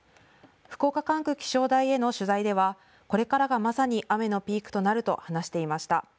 福岡管区気象台への取材ではこれからがまさに雨のピークとなると話していました。